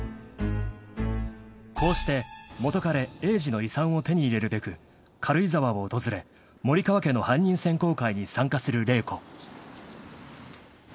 ［こうして元彼栄治の遺産を手に入れるべく軽井沢を訪れ森川家の犯人選考会に参加する麗子］